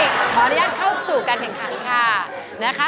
ขออนุญาตเข้าสู่การแข่งขันค่ะนะคะ